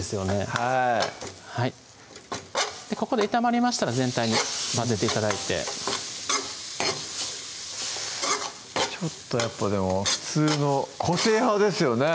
はいここで炒まりましたら全体に混ぜて頂いてちょっとやっぱでも普通の個性派ですよね